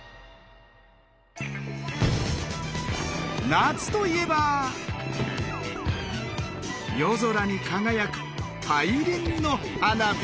夏といえば夜空に輝く大輪の花火！